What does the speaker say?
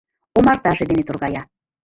Омартаже ден торгая.